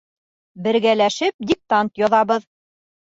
Бергәләшеп диктант яҙабыҙ.